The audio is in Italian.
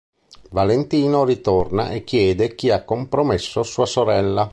Valentino ritorna e chiede chi ha compromesso sua sorella.